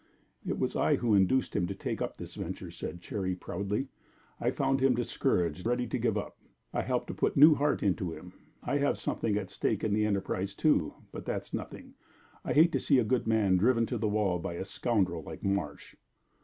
"It was I who induced him to take up this venture," said Cherry, proudly. "I found him discouraged, ready to give up; I helped to put new heart into him. I have something at stake in the enterprise, too but that's nothing. I hate to see a good man driven to the wall by a scoundrel like Marsh."